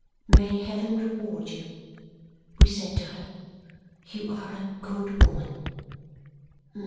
"May heaven reward you!" we said to her. "You are a good woman."